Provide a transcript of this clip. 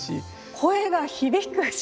声が響くし。